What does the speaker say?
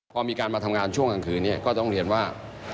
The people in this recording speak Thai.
พอมีการมาทำงานช่วงกลางคืนเนี่ยก็ต้องเรียนว่า